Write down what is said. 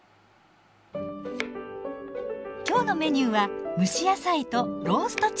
今日のメニューは蒸し野菜とローストチキン。